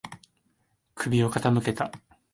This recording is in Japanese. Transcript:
首を傾けた。